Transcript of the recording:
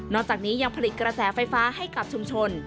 จากนี้ยังผลิตกระแสไฟฟ้าให้กับชุมชน